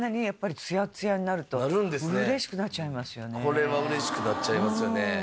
これは嬉しくなっちゃいますよね。